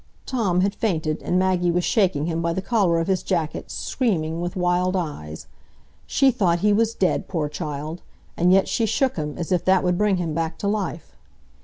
Tom had fainted, and Maggie was shaking him by the collar of his jacket, screaming, with wild eyes. She thought he was dead, poor child! and yet she shook him, as if that would bring him back to life.